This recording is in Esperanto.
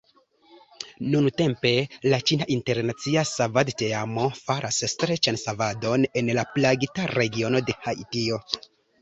Nuntempe, la ĉina internacia savadteamo faras streĉan savadon en la plagita regiono de Haitio.